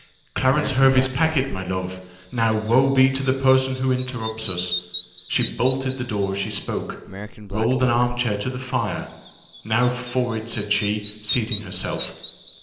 "Clarence Hervey's packet, my love! Now, woe be to the person who interrupts us!" She bolted the door as she spoke . rolled an arm chair to the fire "Now for it!" said she, seating herself.